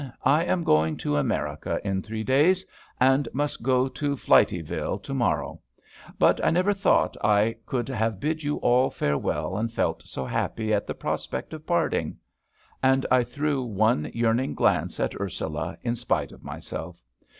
I am going to America in three days, and must go to Flityville to morrow; but I never thought I could have bid you all farewell and felt so happy at the prospect of parting;" and I threw one yearning glance on Ursula in spite of myself.